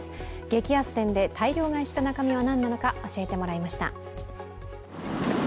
激安店で大量買いした中身は何なのか、教えてもらいました。